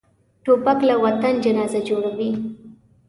توپک له وطن جنازه جوړوي.